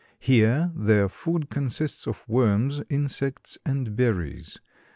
Here their food consists of worms, insects and berries.